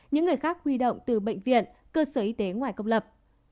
những người khác huy động từ bệnh viện cơ sở y tế ngoài công lập